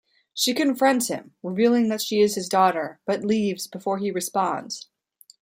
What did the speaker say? She confronts him, revealing that she is his daughter but leaves before he responds.